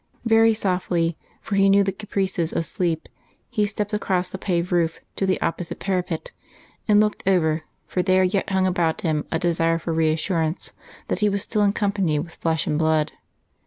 Very softly, for he knew the caprices of sleep, he stepped across the paved roof to the opposite parapet and looked over, for there yet hung about him a desire for reassurance that he was still in company with flesh and blood.